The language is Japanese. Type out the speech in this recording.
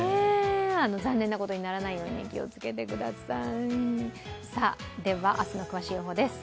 残念なことにならないように気をつけてください。